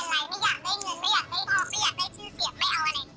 ไม่อยากได้เงินไม่อยากได้ไม่อยากได้ชื่อเสียงไม่เอาอะไรอย่างนี้